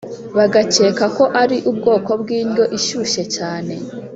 bagakeka ko ari ubwoko bw'indyo ishyushye cyane.